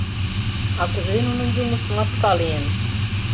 — А кузе нунын юмышт маска лийын?